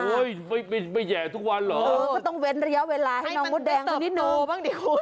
ไม่ไม่แห่ทุกวันเหรอเออก็ต้องเว้นระยะเวลาให้น้องมดแดงวันนี้โนบ้างดิคุณ